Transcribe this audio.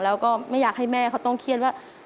แล้วก็ไม่อยากให้แม่เขาต้องเครียดว่า